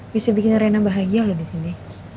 bisa bikin rena bahagia loh di sini